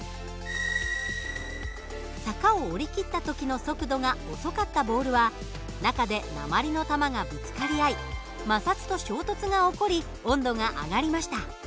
坂を下り切った時の速度が遅かったボールは中で鉛の玉がぶつかり合い摩擦と衝突が起こり温度が上がりました。